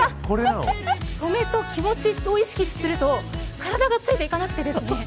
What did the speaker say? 止めと気持ちを意識すると体がついていかなくてですね。